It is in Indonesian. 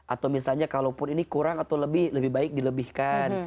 atau misalnya kalaupun ini kurang atau lebih lebih baik dilebihkan